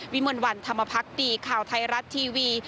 วิมวันวันธรรมพักตีข่าวไทยรัตน์ทีวี